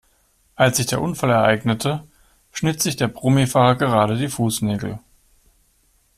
Als sich der Unfall ereignete, schnitt sich der Brummi-Fahrer gerade die Fußnägel.